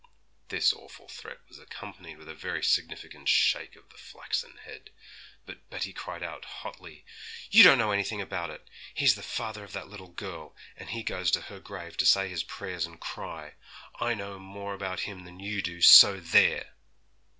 This awful threat was accompanied with a very significant shake of the flaxen head, but Betty cried out hotly, 'You don't know anything about it! He's the father of that little girl, and he goes to her grave to say his prayers and cry. I know more about him than you do, so there!'